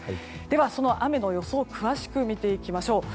では、その雨の予想を詳しく見ていきましょう。